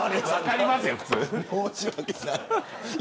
申し訳ない。